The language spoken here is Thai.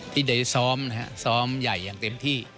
ที่ได้ซ้อมนะฮะซ้อมซ้อมใหญ่อย่างเต็มที่